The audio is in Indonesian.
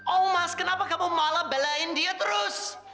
omas kenapa kamu malah belain dia terus